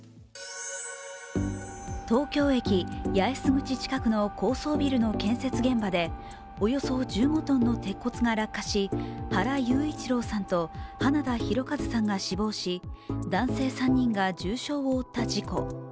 東京駅八重洲口近くの高層ビルの建設現場でおよそ１５ｔの鉄骨が落下し原裕一郎さんと花田大和さんさんが死亡し、男性３人が重傷を負った事故。